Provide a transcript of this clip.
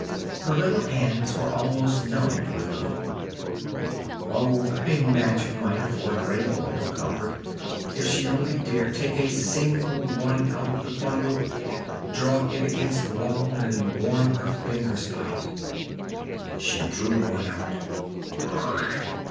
Her little hands were almost numbed with cold. Oh! a match might afford her a world of comfort, if she only dared take a single one out of the bundle, draw it against the wall, and warm her fingers by it. She drew one out. "Rischt!"